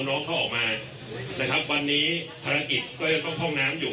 น้องเขาออกมานะครับวันนี้ภารกิจก็ยังต้องเข้าห้องน้ำอยู่